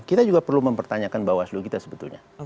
kita juga perlu mempertanyakan bawaslu kita sebetulnya